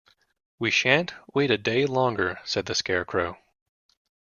"We shan't wait a day longer," said the Scarecrow.